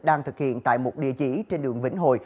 đang thực hiện tại một địa chỉ trên đường vĩnh hội